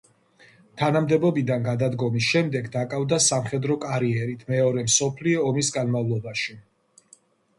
თანამდებობიდან გადადგომის შემდეგ დაკავდა სამხედრო კარიერით მეორე მსოფლიო ომის განმავლობაში.